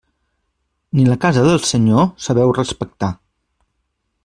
Ni la casa del Senyor sabeu respectar.